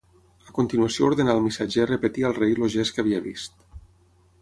A continuació ordenà al missatger repetir al rei el gest que havia vist.